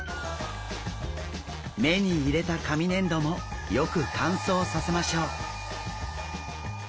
目に入れた紙粘土もよく乾燥させましょう。